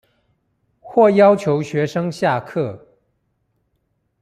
或要求學生下課